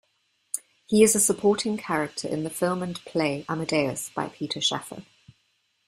He is a supporting character in the play and film "Amadeus" by Peter Shaffer.